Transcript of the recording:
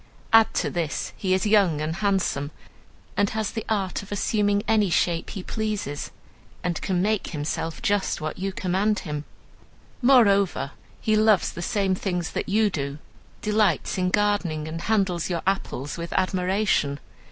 Add to this, he is young and handsome, and has the art of assuming any shape he pleases, and can make himself just what you command him. Moreover, he loves the same things that you do, delights in gardening, and handles your apples with admiration.